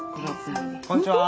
こんにちは。